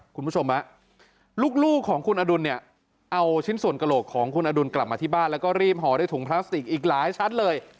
คุณผู้ชมลูกของคุณอดุลเนี่ยเอาชิ้นส่วนกระโหลกของคุณอดุลกลับมาที่บ้านแล้วก็รีบห่อด้วยถุงพลาสติกอีกหลายชั้นเลย